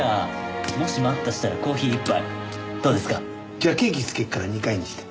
じゃあケーキ付けっから２回にして。